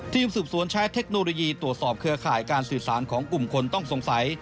ทีมสืบสวนใช้เทคโนโลยีตรวจสอบเครือข่ายการสื่อสารของกลุ่มคนต้องสงสัย